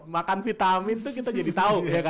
makan vitamin itu kita jadi tahu